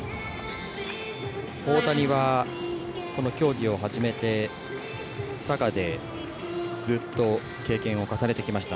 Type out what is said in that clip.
大谷は、この競技を始めて佐賀でずっと経験を重ねてきました。